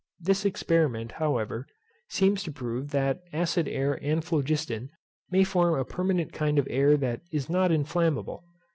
This experiment, however, seems to prove that acid air and phlogiston may form a permanent kind of air that is not inflammable.